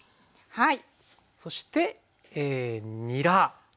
はい。